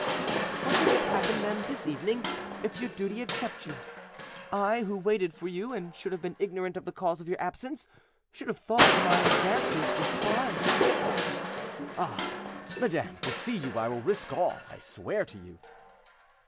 "What would have happened then this evening, if your duty had kept you? I, who waited for you, and should have been ignorant of the cause of your absence, should have thought my advances despised." "Ah! madame, to see you I will risk all, I swear to you."